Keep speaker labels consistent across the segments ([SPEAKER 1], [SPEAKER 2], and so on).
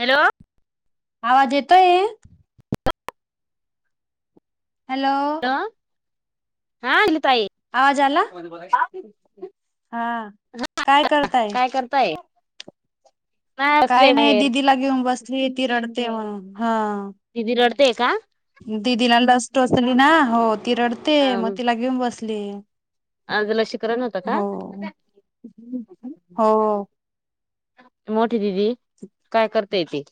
[SPEAKER 1] Hello
[SPEAKER 2] आवाज येतोय hello
[SPEAKER 1] हा हा ताई
[SPEAKER 2] आवाज आला हा हा काय करताय
[SPEAKER 1] काय करताय नाही
[SPEAKER 2] काही
[SPEAKER 1] बसले
[SPEAKER 2] नाही
[SPEAKER 1] बाहेर
[SPEAKER 2] दिदीला घेऊन बसली ती रडते मग हा
[SPEAKER 1] दिदी लडतेय का
[SPEAKER 2] दिीदीला डस्ट असचली ना हो ती रडते मग तिला घेऊन बसली
[SPEAKER 1] आज लसीकरण होतं का
[SPEAKER 2] हो हो
[SPEAKER 1] मोठी दिदी काय करताय ते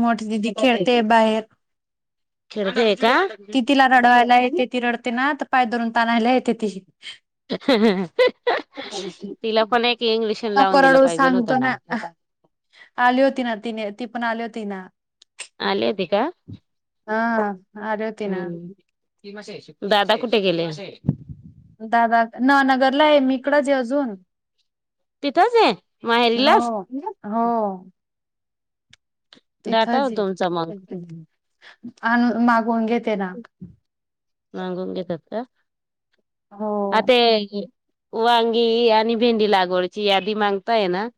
[SPEAKER 2] मोठ दिदी खेळते बाहेर
[SPEAKER 1] खेळते का
[SPEAKER 2] ती तिला रडवायला येते ती रडते ना तर पाय दरून ताणायला येते ती
[SPEAKER 1] तिला पण एक इंग्लिशन लावून
[SPEAKER 2] नको
[SPEAKER 1] दिलं
[SPEAKER 2] रडू
[SPEAKER 1] पाहिजे
[SPEAKER 2] सांगतो
[SPEAKER 1] नव्हतं ना
[SPEAKER 2] आली होती ना तिने ती पण आली होती ना
[SPEAKER 1] आली होती का
[SPEAKER 2] हा आले होते
[SPEAKER 1] हम्म दादा कुठे गेले
[SPEAKER 2] दादा नवनगर य मी इकडच अजून
[SPEAKER 1] तिथंच आहे
[SPEAKER 2] हो
[SPEAKER 1] माहेरीलाच
[SPEAKER 2] हो
[SPEAKER 1] डाटा हो
[SPEAKER 2] तिथंच ये
[SPEAKER 1] तुमचा मग
[SPEAKER 2] आण मागून घेते ना
[SPEAKER 1] मागून घेतात का
[SPEAKER 2] हो
[SPEAKER 1] आ ते वांगी आणि भेंडी लागवडची यादीी मागताय ना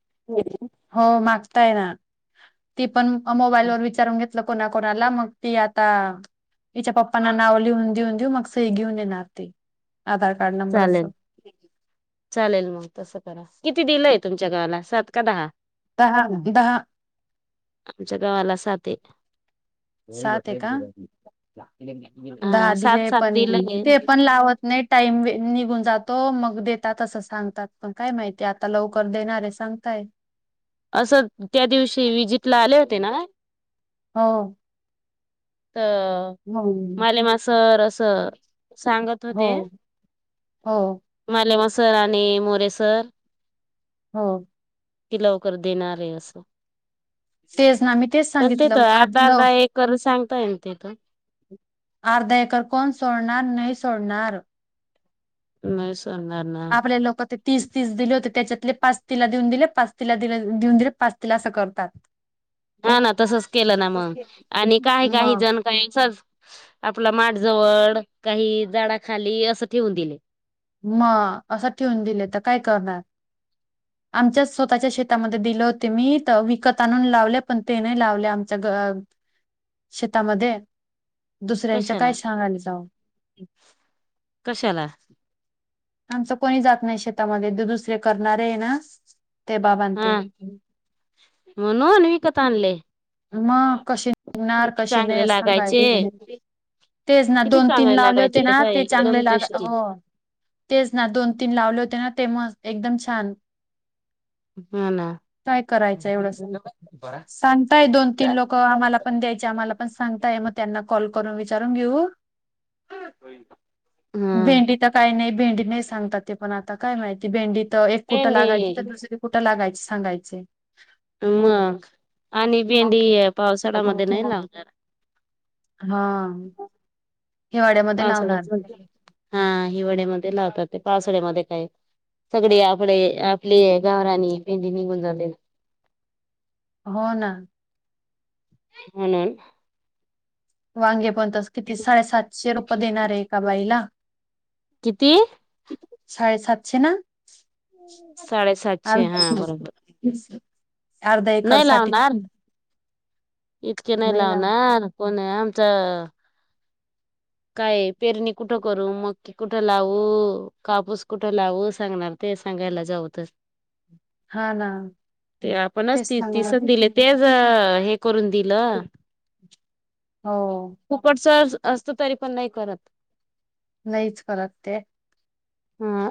[SPEAKER 2] हो मागताय ना ती पण मोबाईल वर विचारून घेत कोणाकणाला मग ती आता हिच्या पप्पांना नाव लिहून देऊन देऊ मग से घेऊन येणार ती आधार कार्ड नंबर
[SPEAKER 1] चालेल
[SPEAKER 2] असं
[SPEAKER 1] चालेल मग तसं करा किती दिलंय तुमच्या गवाला सात का दहा
[SPEAKER 2] दहा
[SPEAKER 1] आमच्या गावाला सात
[SPEAKER 2] सात आहे का
[SPEAKER 1] हा
[SPEAKER 2] दहा
[SPEAKER 1] सात
[SPEAKER 2] दिले
[SPEAKER 1] सात
[SPEAKER 2] पण
[SPEAKER 1] दिलं आहे
[SPEAKER 2] ते पण लावत नाही टाईम निघून जातो मग देतात असं सांगतात पण काय माहितीय आता लवकर देणार आहेस सांगताय
[SPEAKER 1] असं त्या दिवशी विजिट ला आले होते ना.
[SPEAKER 2] हो
[SPEAKER 1] तर.
[SPEAKER 2] हो
[SPEAKER 1] मला मास असं सांगत
[SPEAKER 2] हो
[SPEAKER 1] होते.
[SPEAKER 2] हो
[SPEAKER 1] मालेमा सर आणि मोरेसर
[SPEAKER 2] हो.
[SPEAKER 1] ि लवकर देणार आहे अस
[SPEAKER 2] तेच ना मी तेच
[SPEAKER 1] पण तेेत
[SPEAKER 2] सांगितलं आज
[SPEAKER 1] अर्धा
[SPEAKER 2] न
[SPEAKER 1] अर्धा एक करून सांगता येल तेथ
[SPEAKER 2] अर्धा एकर कोण सोडणार नाही सोडणार.
[SPEAKER 1] [unintelligible] रणार ना.
[SPEAKER 2] आपल्या लोक. तीस तीस दिले होते त्याच्यातले पाच तिला देऊन दिले पाच तिला दि देऊन दिले पाच तिला असं करतात.
[SPEAKER 1] ह ना तसच केलं ना मग आणि काही काही
[SPEAKER 2] मग
[SPEAKER 1] जण. काही आपला माठ जवळ काही झाडा खाली असं ठेवून दिले.
[SPEAKER 2] मग असं ठेवून दिले तर काय करणार.
[SPEAKER 1] ह
[SPEAKER 2] आमच्या स्वतःच्या शेतामध्ये दिलं होते मी तर विकत आणून लावले पण ते नाही लावले आमच्या ग शेतामध्ये दुसऱ्यांच काय
[SPEAKER 1] कशाला
[SPEAKER 2] सांगायला जाऊ
[SPEAKER 1] कशाला
[SPEAKER 2] आमचं कोणी जात नाही शेतामध्ये ते दुसरे करणार आहे ना ते बाबां
[SPEAKER 1] हा
[SPEAKER 2] ते
[SPEAKER 1] म्हणु अनविकता आणले.
[SPEAKER 2] मग कसे निघणार
[SPEAKER 1] किती
[SPEAKER 2] कशी नाही
[SPEAKER 1] चांगले
[SPEAKER 2] अस
[SPEAKER 1] लागायचे
[SPEAKER 2] सांगावी तेच ना
[SPEAKER 1] किती
[SPEAKER 2] दोन तीन
[SPEAKER 1] चांगले
[SPEAKER 2] लावले होते
[SPEAKER 1] लागायचे
[SPEAKER 2] ना
[SPEAKER 1] काय
[SPEAKER 2] ते
[SPEAKER 1] एकदम
[SPEAKER 2] चांगले लाग
[SPEAKER 1] टेस्टी
[SPEAKER 2] हो. तेच ना दोन तीन लावले होते ना ते मग एकदम छान
[SPEAKER 1] हा ना
[SPEAKER 2] काय करायचं एवढं सां काय दोन तीन लोक आम्हाला पण द्यायचे आम्हाला पण सांगताय मग त्यांना कॉल करून विचारून घेऊ.
[SPEAKER 1] हा
[SPEAKER 2] भेंडी तर काय नाही भेंडी नाही सांगतात. ते पण आता काय माहिती भेंडी तर एक कुठं लागायची तर
[SPEAKER 1] भेंडी
[SPEAKER 2] दुसरी कुठं लागायच सांगायचे.
[SPEAKER 1] मग आणि
[SPEAKER 2] हा
[SPEAKER 1] भेंडी पावसाळा्यामध्ये नाही लावणार.
[SPEAKER 2] हा.
[SPEAKER 1] पासळ्या हा हिवाळ्यामध्ये लावतात ते पासळ्यामध्ये काय. सगळे आपले आपले गावरानी पेंी नि गुं जावले.
[SPEAKER 2] हो ना.
[SPEAKER 1] म्हणून.
[SPEAKER 2] वांगे पण तस किती साडेसातशे रुपये देणार आहे का बाईला.
[SPEAKER 1] किती?
[SPEAKER 2] साडे सातश ना.
[SPEAKER 1] साडे सात.
[SPEAKER 2] [unintelligible] एकर
[SPEAKER 1] नाही
[SPEAKER 2] साठी
[SPEAKER 1] लावणार इतके नाही लावणार कोणी आमचं काय पेरणी कुठं करू मग. कुठं लावू कापूस कुठं लाव सांगणार ते सांगायला जाऊतच.
[SPEAKER 2] हा ना
[SPEAKER 1] ते आपणच
[SPEAKER 2] तेच
[SPEAKER 1] त
[SPEAKER 2] ना
[SPEAKER 1] तिसन
[SPEAKER 2] मग.
[SPEAKER 1] दिले तेच हे. करून दिल
[SPEAKER 2] हो
[SPEAKER 1] फुकटचं असं. तरी पण नाही करत.
[SPEAKER 2] नाहीच करत ते.
[SPEAKER 1] हा.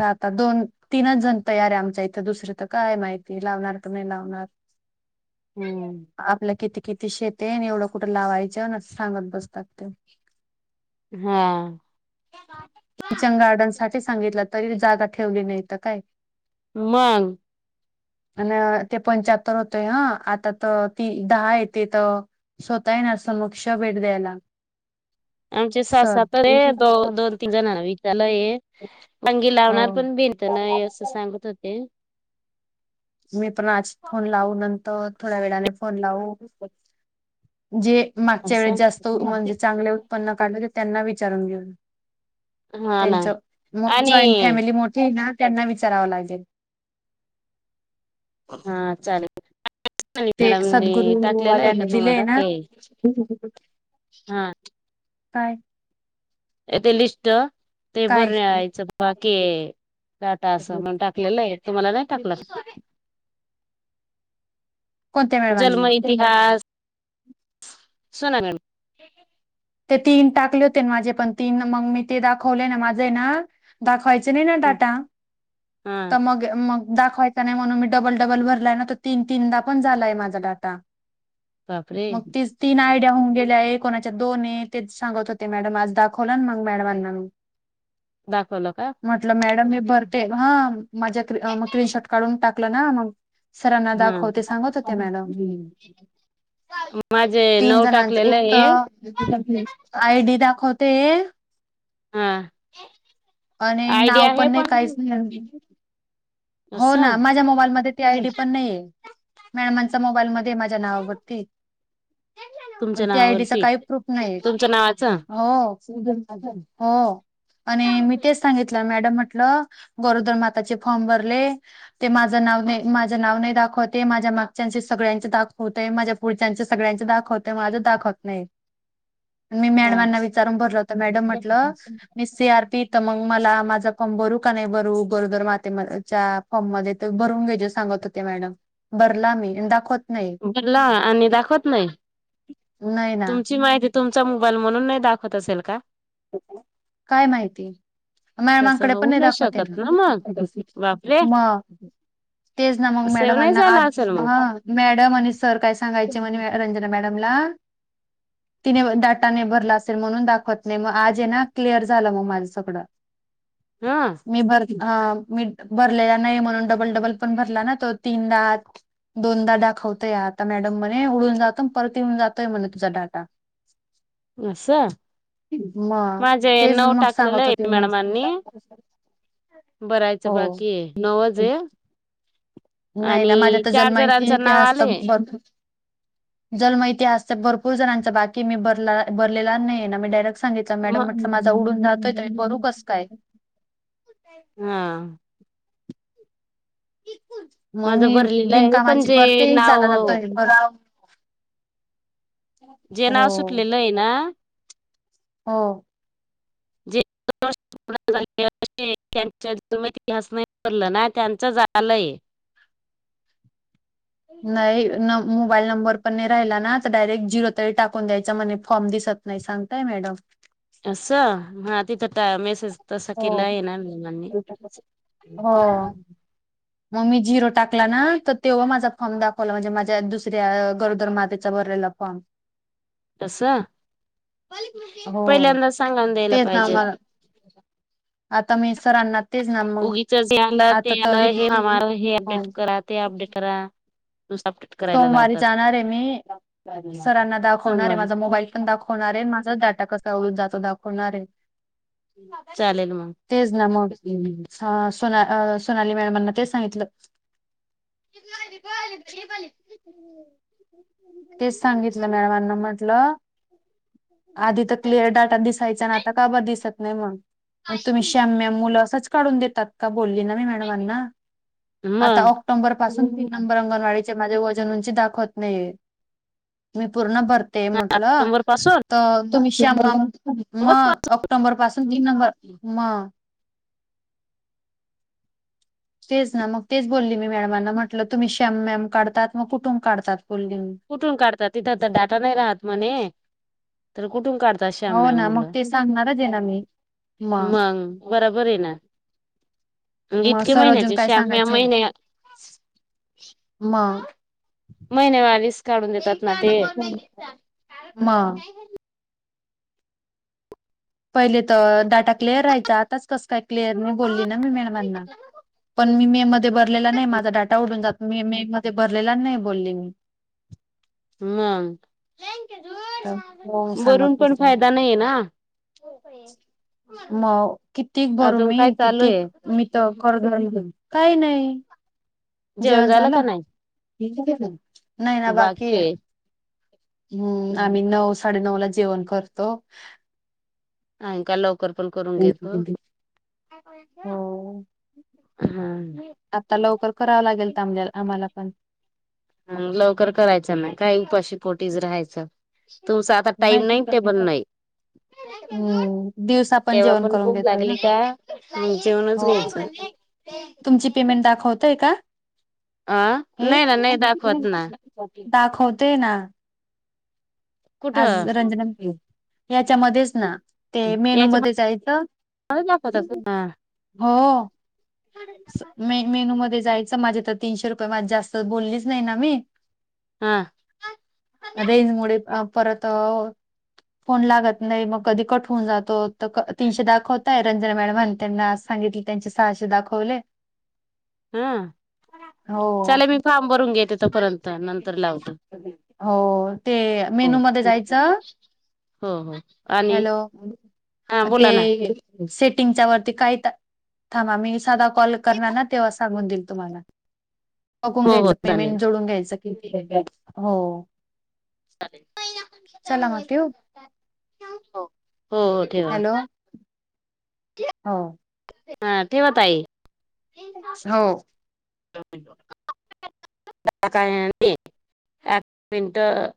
[SPEAKER 2] आ आता दोन तीनच जण तयार आहे आमच्या इथं दुसर तर काय माहिती लावणार तर नाही लावणार.
[SPEAKER 1] हम्म.
[SPEAKER 2] आपल्या किती किती शेते एवढं कुठं लावायचं सांगत बसतात ते
[SPEAKER 1] हा.
[SPEAKER 2] किचन गार्डन साठी सांगितलं तरी जागा ठेवली नाही तर काय?
[SPEAKER 1] मग
[SPEAKER 2] अ ते पंच्याहत्तर होतय हा आता तर ती दहा येते तर स्वतःही ना समक्ष भेट द्यायला.
[SPEAKER 1] आमचे सास
[SPEAKER 2] सर
[SPEAKER 1] स तर आहे दो दोन तीन जणांना विचारलं आहे. अंगी लावणार पण भिंत नाही
[SPEAKER 2] हो
[SPEAKER 1] असं सांगत होते.
[SPEAKER 2] मी पण आज फोन लावू नंतर थोड्या वेळाने फोन लावू. जे मागच्या वेळे
[SPEAKER 1] असं
[SPEAKER 2] जास्त म्हणजे चांगले उत्पन्न काढले ते त्यांना विचारून घेऊन.
[SPEAKER 1] हा ना
[SPEAKER 2] त्यांच जॉईंट
[SPEAKER 1] आणि
[SPEAKER 2] फॅमिली मोठी आहे ना त्यांना विचारावं लागेल.
[SPEAKER 1] हा चालेल.
[SPEAKER 2] ते
[SPEAKER 1] मॅडम टाकलेलं आहे का
[SPEAKER 2] सद्गुरूवाल्यानी दिलेय
[SPEAKER 1] तुम्हाला
[SPEAKER 2] ना
[SPEAKER 1] ते हा.
[SPEAKER 2] काय?
[SPEAKER 1] ते तेे लिस्ट ते बर
[SPEAKER 2] काय
[SPEAKER 1] नाहीयचं बाकी टाटा असं म्हण टा तुम्हाला नाही टाक
[SPEAKER 2] कोणत्या
[SPEAKER 1] ज.
[SPEAKER 2] मॅडमांनी?
[SPEAKER 1] इतिहास सोनगण.
[SPEAKER 2] ते तीन टाकले होते माझे पण तीन मग मी ते दाखवले ना माझं ना. दाखवायचं नाही ना टाटा
[SPEAKER 1] हा
[SPEAKER 2] तर मग. मग दाखवायचा नाही म्हणून मी डबल डबल भरलाय ना तर तीन तीनदा पण झालाय माझा डाटा.
[SPEAKER 1] बापरे
[SPEAKER 2] मग ती तीन आयडिया होऊन गेल्या एक कोणाच्या दोन आहे तेच सांगत होते मॅडम आज दाखवला मग मॅडमांना मग
[SPEAKER 1] दाखवलं का?
[SPEAKER 2] म्हंटलं मॅडम हेी भरते हा माझ्या क मग क्रीनशॉट काढून टाकलं ना मग सरांना
[SPEAKER 1] हा
[SPEAKER 2] दाखवते सांगत होते मॅडम
[SPEAKER 1] माझे
[SPEAKER 2] तीन
[SPEAKER 1] नऊ
[SPEAKER 2] जणांच
[SPEAKER 1] टाकलेलं
[SPEAKER 2] एक
[SPEAKER 1] आहे
[SPEAKER 2] तर आयडी दाखवते
[SPEAKER 1] हा
[SPEAKER 2] आणि
[SPEAKER 1] आयडी
[SPEAKER 2] नाव
[SPEAKER 1] आहे
[SPEAKER 2] पण नाही काहीच नाही हो ना
[SPEAKER 1] असं
[SPEAKER 2] माझ्या मोबाईलमध्ये ती आयडी पण नाहीे मॅडमांचा मोबाईलमध्येध्ये माझ्या नावावरती
[SPEAKER 1] तुमच्या
[SPEAKER 2] त्या आयडीचा
[SPEAKER 1] नावावरती
[SPEAKER 2] काही प्रूफ नाही
[SPEAKER 1] तुमच्या नावाचं
[SPEAKER 2] हो हो आणि मी तेच सांगित मॅडम म्हटलं गरोदर माताचे फॉर्म भरले ते माझं नाव नाही माझं नाव नाही दाखवते माझ्या मागच्यांशी सगळ्यांच दाखवतय माझ्या पुढच्याचे सगळ्यांचे दाखवतते माझं दाखवत नाही
[SPEAKER 1] [inaudible]
[SPEAKER 2] मी मॅडमांना विचारून भरला होत मॅडम म्हटलं मी सी आर पी तर मग मला माझा कम भरू का नाही बरू गरोदर माते म फॉर्म मध्ये भरून घ्या सांगत होते मॅडम भरला मी दाखवत नाही
[SPEAKER 1] बला आणि दाखवत नाही
[SPEAKER 2] नाही ना
[SPEAKER 1] तुमची माहिती तुमचा मोबाईल म्हणून नाही दाखवत असेल का
[SPEAKER 2] काय माहिती
[SPEAKER 1] तसं
[SPEAKER 2] मॅमांकडे पण
[SPEAKER 1] होऊ
[SPEAKER 2] नाही
[SPEAKER 1] शकत
[SPEAKER 2] दाखवतेल
[SPEAKER 1] ना मग बापरे
[SPEAKER 2] म तेज ना मग
[SPEAKER 1] सेव्ह
[SPEAKER 2] मॅडम
[SPEAKER 1] नाही
[SPEAKER 2] अना
[SPEAKER 1] झाला
[SPEAKER 2] आज
[SPEAKER 1] असेल
[SPEAKER 2] दिस
[SPEAKER 1] मग
[SPEAKER 2] हा मॅडम आणि सर काय सांगायचे म्हणे रंजना मॅडमला तिने डाटा नि भरला असेल म्हणून दाखवत नाही मग आज आहे ना क्लिअर झालं मग माझं सगळं
[SPEAKER 1] हा
[SPEAKER 2] मी भर मी भरलेला नाही म्हणून डबल डबल पण भरला ना तो तीनदाात दोनदा दाखवतोय आता मॅडम म्हणे उडून जातो परत येऊन जातोय म्हणणे तुझा डाटा
[SPEAKER 1] अससाा
[SPEAKER 2] मग
[SPEAKER 1] माझ्या ए
[SPEAKER 2] तेच
[SPEAKER 1] नऊ
[SPEAKER 2] मग
[SPEAKER 1] टाकलेला
[SPEAKER 2] सांगत होते
[SPEAKER 1] आहे
[SPEAKER 2] मग
[SPEAKER 1] मॅडम अनी बरायचं
[SPEAKER 2] हो
[SPEAKER 1] बाकी आहे नवज आहे
[SPEAKER 2] नाही ना माझ्या
[SPEAKER 1] आणि
[SPEAKER 2] तर
[SPEAKER 1] चार
[SPEAKER 2] जन्माहिती
[SPEAKER 1] जणांचं
[SPEAKER 2] ते
[SPEAKER 1] नाव
[SPEAKER 2] हत
[SPEAKER 1] आलंय
[SPEAKER 2] ब जर माहिती असत भरपूर जणांच बाकी मी बर बरलेला नाही ना मी डायरेक्ट सांगितलं
[SPEAKER 1] म
[SPEAKER 2] मॅडम म्हटलं माझ उडून जातोय आणि बरू कस काय
[SPEAKER 1] हा
[SPEAKER 2] मग
[SPEAKER 1] माझं
[SPEAKER 2] मी
[SPEAKER 1] भरलेलं आहे पण
[SPEAKER 2] बिनकामाची
[SPEAKER 1] जे
[SPEAKER 2] परती
[SPEAKER 1] नाव
[SPEAKER 2] झाला जातोय बघ
[SPEAKER 1] जे नाव सुटलेलं आहे ना
[SPEAKER 2] हा
[SPEAKER 1] च्या इतिहास नाही भलं ना त्यांचं झालंय
[SPEAKER 2] नाही न मोबाईल नंबर पण नाही राहिला नाच डायरेक्ट झिरो तरी टाकून द्यायचा म्हणे फॉर्म दिसत नाही सांगताय मॅडम
[SPEAKER 1] असं हा तिथं मेसेज तसं
[SPEAKER 2] हो.
[SPEAKER 1] केलं आहे ना म म्हनी
[SPEAKER 2] हो. मग मी झिरो टाकला ना तर तेव्हा माझा फॉर्म दाखवला म्हणजे माझ्या दुसऱ्या गरोदर मातेचा भरलेला फॉर्म
[SPEAKER 1] तस
[SPEAKER 2] हो.
[SPEAKER 1] पहिल्यांदा सांगाून द्यायला
[SPEAKER 2] तेच ना
[SPEAKER 1] पाहिजे
[SPEAKER 2] मला आता मसरांना
[SPEAKER 1] उगीच जे आलं ते आलं हे हे अपडेट
[SPEAKER 2] हो,
[SPEAKER 1] करा ते अपडेट करा तू स
[SPEAKER 2] सोमवारी जाणार आहे मी सरांना दाखवणार आहे
[SPEAKER 1] सोमवारी
[SPEAKER 2] माझा मोबाईल पण दाखव दाखवणार आहे माझा डाटा कसा ओळून जातो दाखवणार आहे
[SPEAKER 1] चालेल मग
[SPEAKER 2] तेच ना मग सोना सोनाली मॅडमांना तेच सांगितलं
[SPEAKER 1] ग
[SPEAKER 2] तेच सांगितलं मॅडमांना म्हटलं आधी तर क्लिअर डाटा दिसायचा ना आता काब दिसत नाही म्हणून ग तुम्ही श्याम मुलं असंच काढून देतात का बोलली ना मी मॅडमांना आता
[SPEAKER 1] मग
[SPEAKER 2] ऑक्टोबर पासून रंगणवाडीचे माझे वजन, उंची दाखवत नाही. मी पूर्ण भरते म्हटलं.
[SPEAKER 1] नंबर पासून
[SPEAKER 2] तर तुम्ही [unintelligible] मग ऑक्टोबर पासून तीन नंबर मग. तेच ना मग तेच बोलली मी मॅडमांना म्हटलं तुम्ही शेम मॅम काढतात मग कुठून काढतात बोलली म.
[SPEAKER 1] कुठून काढतात तिथं तर डाटा नाही राहत म्हणे तर कुठून काढत? तशा
[SPEAKER 2] हो
[SPEAKER 1] म्याम
[SPEAKER 2] ना मग
[SPEAKER 1] मुलं
[SPEAKER 2] ते सांगणारच आहे ना मी मग
[SPEAKER 1] मंग बरोबर आहे ना [inaudible] म
[SPEAKER 2] मग
[SPEAKER 1] इतक्या
[SPEAKER 2] सर अजून
[SPEAKER 1] महिन्याचे
[SPEAKER 2] काय
[SPEAKER 1] श्याम्य
[SPEAKER 2] सांगायचे
[SPEAKER 1] महिन्या
[SPEAKER 2] मग
[SPEAKER 1] महिनेमालीस काढून देतात. ना ते
[SPEAKER 2] [unintelligible] [inaudible] म पहिले तर डाटा क्लिअर राहायचा आताच कसं काय क्लिअर नाही बोलली ना मी मॅडमांना. पण मी मे मध्ये भरलेला नाही माझा डाटा उडून जातो मी मे मध्ये भरलेला नाही बोलली मी.
[SPEAKER 1] मग
[SPEAKER 2] तर हो
[SPEAKER 1] [inaudible] बरून
[SPEAKER 2] सांगत
[SPEAKER 1] पण फायदा नाही आहे ना.
[SPEAKER 2] म कितीक बरू
[SPEAKER 1] अजून
[SPEAKER 2] मी
[SPEAKER 1] काय चालू
[SPEAKER 2] कितीक.
[SPEAKER 1] आहे
[SPEAKER 2] मी तर कर [unintelligible] काही नाही. जेवण झालं? नाही ना बाकी ये. हम्म, आम्ही नऊ, साडेनऊ ला जेवण करतो.
[SPEAKER 1] नाही का लवकर पण करून घेत. [inaudible]
[SPEAKER 2] हो
[SPEAKER 1] हा.
[SPEAKER 2] आता लवकर करावं लागेल [unintelligible] आम्हाला पण.
[SPEAKER 1] ह लवकर करायचं ना काही उपाशी पोटीज राहायचं. तुमचा आता टाईम नाही टेबल नाही.
[SPEAKER 2] हम्म दिवसा
[SPEAKER 1] तेव्हा
[SPEAKER 2] जेवण
[SPEAKER 1] पण
[SPEAKER 2] करून
[SPEAKER 1] भूक
[SPEAKER 2] घेतोय ना
[SPEAKER 1] लागली का मग जेवनच
[SPEAKER 2] हो
[SPEAKER 1] घ्यायचं.
[SPEAKER 2] तुमची पेमेंट दाखवतय का?
[SPEAKER 1] अ
[SPEAKER 2] हे
[SPEAKER 1] नाही ना नाही दाखवत ना
[SPEAKER 2] दाखवते ना.
[SPEAKER 1] कुठं
[SPEAKER 2] आज रंजना बी याच्यामध्येच ना ते मेनू
[SPEAKER 1] याच्या
[SPEAKER 2] मध्ये जायचं
[SPEAKER 1] दाखवत हा
[SPEAKER 2] [inaudible] हो. मेन मेनू मध्ये जायचं माझे तर तीनशे रुपये माझं जास्त बोललीच नाही ना मी.
[SPEAKER 1] हा.
[SPEAKER 2] [inaudible] रेंज मुळे अ परत फोन लागत नाही मग कधी कट होऊन जातो तर तीनशे दाखवतंय होतय रंजना मॅडम आणि त्यांना असं. सांगितले त्यांचे सहाशे दाखवले.
[SPEAKER 1] [inaudible] हम्म.
[SPEAKER 2] हो हो
[SPEAKER 1] तोपर्यंत नंतर लावतो
[SPEAKER 2] [inaudible] हो ते
[SPEAKER 1] हो
[SPEAKER 2] मेनू मध्ये जायचं
[SPEAKER 1] हो हो
[SPEAKER 2] [inaudible]
[SPEAKER 1] आणि
[SPEAKER 2] हॅलो
[SPEAKER 1] हा
[SPEAKER 2] ते
[SPEAKER 1] बोला ना
[SPEAKER 2] सेटिंगच्या वरती काही थांबा मी साधा कॉल करणार ना तेव्हा सां सांगून देईल तुम्हाला बघून
[SPEAKER 1] हो हो
[SPEAKER 2] घ्यायचं
[SPEAKER 1] चालेल
[SPEAKER 2] पेमेंट जोडून घ्यायचं किती आहे बॅलन्स हो.
[SPEAKER 1] [inaudible]
[SPEAKER 2] चला मग ठेवू
[SPEAKER 1] हो हो ठेवा.
[SPEAKER 2] हॅलो हो.
[SPEAKER 1] हा ठेवाताई.
[SPEAKER 2] हो
[SPEAKER 1] [unintelligible] पाच मिनट